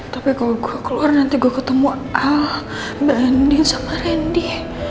tapi kalau gue keluar nanti gue ketemu ah banding sama randy